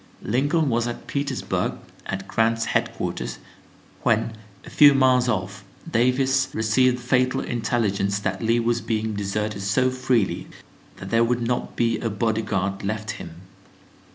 Lincoln was at Petersburg at Grant's headquarters when, a few miles off, Davis received the fatal intelligence that Lee was being deserted so freely that there would not be a body guard left him.